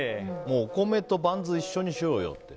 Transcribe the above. お米とバンズを一緒にしようよって。